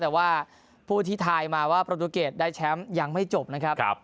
แต่ว่าผู้ที่ทายมาว่าประตูเกรดได้แชมป์ยังไม่จบนะครับ